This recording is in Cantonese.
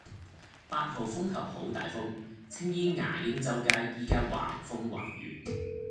八號風球好大風，青衣牙鷹洲街依家橫風橫雨